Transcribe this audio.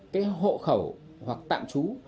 cái hộ khẩu hoặc tạm trú